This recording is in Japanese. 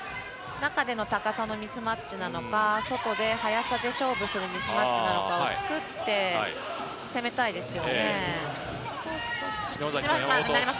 中での高さのミスマッチなのか、外で速さで勝負するミスマッチなのかを作って、攻めたいですよね。